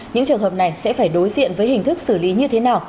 những trường hợp này sẽ phải đối diện với hình thức xử lý như thế nào